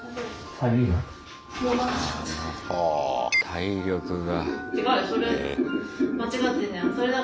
体力が。